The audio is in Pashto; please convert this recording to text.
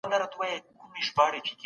حکومت د زعفرانو له کروندګرو ملاتړ کوي.